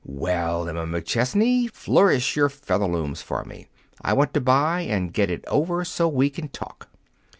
"Well, Emma McChesney, flourish your Featherlooms for me. I want to buy and get it over, so we can talk."